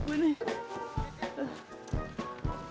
apa gue udah isnet ya